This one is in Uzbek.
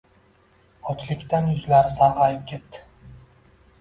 Ochlikdan yuzlari sarg`ayib ketdi